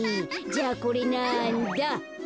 じゃあこれなんだ？